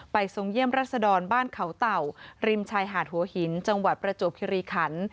ทรงเยี่ยมรัศดรบ้านเขาเต่าริมชายหาดหัวหินจังหวัดประจวบคิริขัน